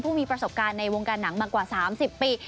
มีประสบการณ์ในวงการหนังมากว่า๓๐ปี